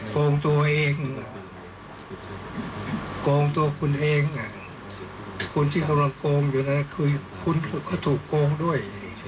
โกงตัวเองโกงตัวคุณเองคุณที่กำลังโกงอยู่นั้นคือคุณก็ถูกโกงด้วย